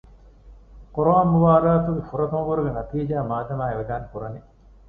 ޤުރުއާން މުބާރާތުގެ ފުރަތަމަ ބުރުގެ ނަތީޖާ މާދަމާ އިޢުލާން ކުރަނީ